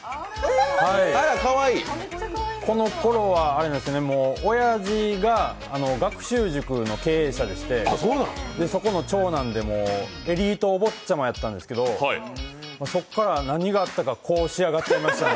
このころは、おやじが学習塾の経営者でして、そこの長男でエリートお坊ちゃまだったんですけどそこから何があったか、こう仕上がってます。